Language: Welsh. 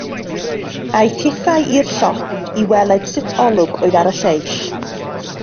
Aeth hithau i'r llofft i weled sut olwg oedd ar y lleill.